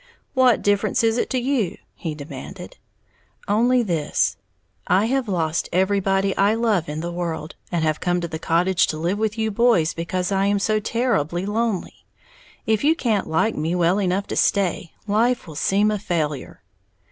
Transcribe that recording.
"What difference is it to you?" he demanded. "Only this, I have lost everybody I love in the world, and have come to the cottage to live with you boys because I am so terribly lonely. If you can't like me well enough to stay, life will seem a failure."